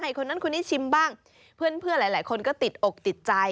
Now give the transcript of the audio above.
คนนั้นคนนี้ชิมบ้างเพื่อนเพื่อนหลายหลายคนก็ติดอกติดใจ